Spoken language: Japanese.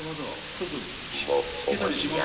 ちょっと聞けたりします？